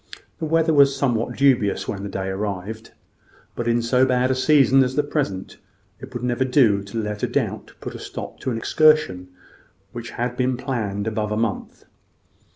The weather was somewhat dubious when the day arrived: but in so bad a season as the present, it would never do to let a doubt put a stop to an excursion which had been planned above a month.